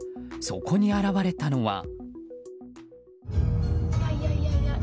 そこに現れたのは。